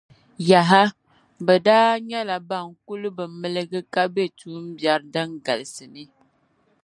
Yaha! Bɛ daa nyɛla ban kuli bi milgi ka be tuumbiɛri din galsi ni.